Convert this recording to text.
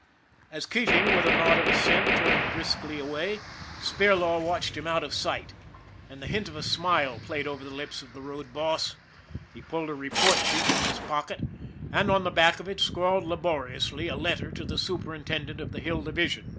As Keating, with a nod of assent, turned briskly THE BUILDER 137 away, Spirlaw watched him out of sight and the hint of a smile played over the lips of the road boss. He pulled a report sheet from his pocket, and on the back of it scrawled laboriously a letter to the superintendent of the Hill Division.